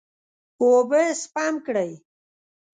اوبه سپم کړئ.